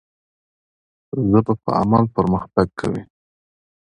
ژبه په عمل پرمختګ کوي.